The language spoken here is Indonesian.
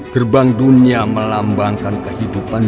gerbang dunia melambangkan kehidupan